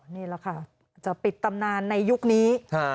นี่แหละค่ะจะปิดตำนานในยุคนี้